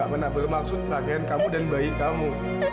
aku gak pernah bermaksud terakhir kamu dan bayi kamu